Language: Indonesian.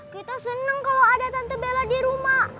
kita seneng kalau ada tante bela di rumah